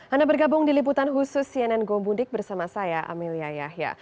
anda bergabung di liputan khusus cnn gombundik bersama saya amelia yahya